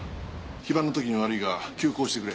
非番のときに悪いが急行してくれ。